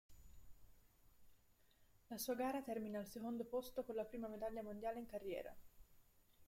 La sua gara termina al secondo posto con la prima medaglia mondiale in carriera.